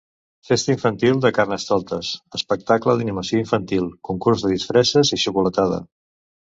Festa infantil de Carnestoltes: espectacle d'animació infantil, concurs de disfresses i xocolatada.